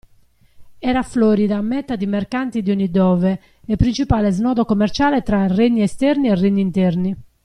Era florida meta di mercanti di ogni dove, e principale snodo commerciale tra regni esterni e regni interni.